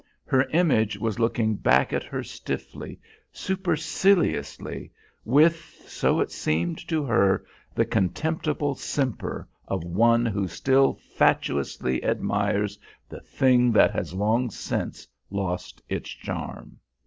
Her image was looking back at her stiffly, superciliously, with, so it seemed to her, the contemptible simper of one who still fatuously admires the thing that has long since lost its charm.